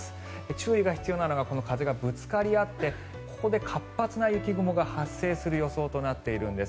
注意が必要なのがこの風がぶつかり合ってここで活発な雪雲が発生する予想となっているんです。